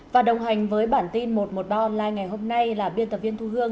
và đồng hành với bản tin một trăm một mươi ba online ngày hôm nay là biên tập viên thu hương